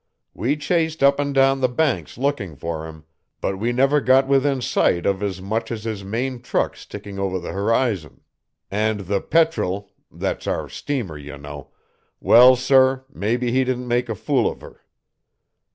We chased up and down the Banks looking for him, but never got within sight of as much as his main truck sticking over the horizon. "And the Petrel that's our steamer, you know well, sir, maybe he didn't make a fool of her.